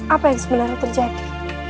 apa yang sebenarnya terjadi